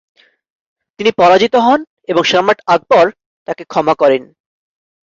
তিনি পরাজিত হন এবং সম্রাট আকবর তাকে ক্ষমা করেন।